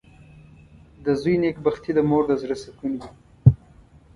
• د زوی نېکبختي د مور د زړۀ سکون وي.